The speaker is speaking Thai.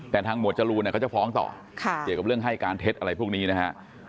แต่ทางหมวดจรูนเขาจะฟ้องต่อเกี่ยวกับเรื่องให้การเท็จอะไรพวกนี้นะฮะ